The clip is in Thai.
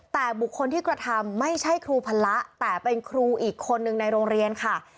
แต่บุคคลที่กระทำไม่ใช่ครูพละแต่เป็นครูอีกคนนึงในโรงเรียนค่ะ